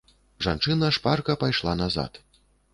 Жанчына шпарка пайшла назад.